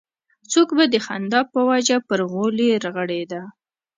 څوک به د خندا په وجه پر غولي رغړېده.